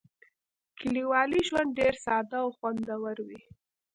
کلیوالي ژوند ډېر ساده او خوندور وي.